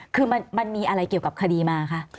คือมันมีอะไรเกี่ยวกับคดีมาคะ